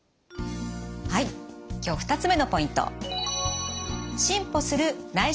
はい今日２つ目のポイント。